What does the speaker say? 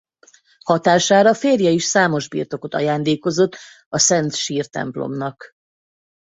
Hatására férje is számos birtokot ajándékozott a Szent Sír-templomnak.